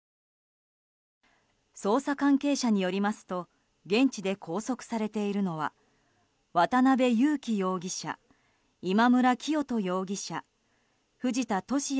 捜査関係者によりますと現地で拘束されているのは渡邉優樹容疑者今村磨人容疑者藤田聖也